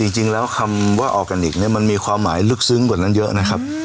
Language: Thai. จริงแล้วคำว่าออร์แกนิคเนี่ยมันมีความหมายลึกซึ้งกว่านั้นเยอะนะครับ